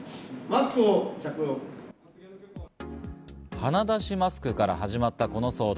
鼻出しマスクから始まったこの騒動。